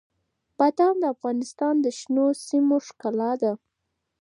بادام د افغانستان د شنو سیمو ښکلا ده.